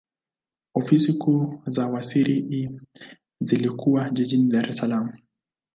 Ofisi kuu za wizara hii zilikuwa jijini Dar es Salaam.